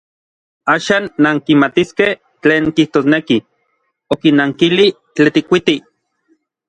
Axan nankimatiskej tlen kijtosneki, okinnankili Tetlikuiti.